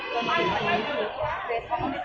เวลาแรกพี่เห็นแวว